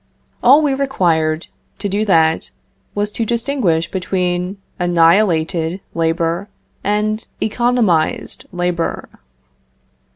All we required, to do that, was to distinguish between annihilated labor and economized labor.